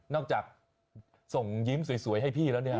จากส่งยิ้มสวยให้พี่แล้วเนี่ย